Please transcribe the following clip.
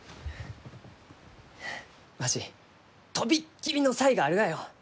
わし飛びっ切りの才があるがよ！